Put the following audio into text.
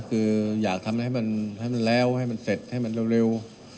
คืออยากทำให้มันแล้วให้มันเสร็จให้มันเร็ว